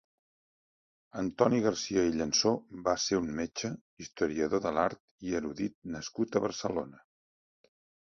Antoni Garcia i Llansó va ser un metge, historiador de l'art i erudit nascut a Barcelona.